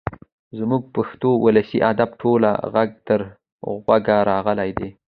زموږ پښتو ولسي ادب ټول غوږ تر غوږه راغلی دی.